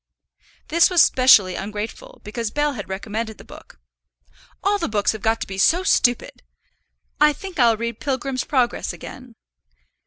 This was specially ungrateful, because Bell had recommended the book. "All the books have got to be so stupid! I think I'll read Pilgrim's Progress again."